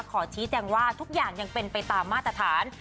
ขอชี้แจงว่าทุกอย่างยังเป็นไปตามมาตรฐาน